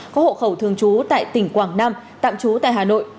có hộ khẩu thường trú tại tỉnh quảng nam tạm trú tại hà nội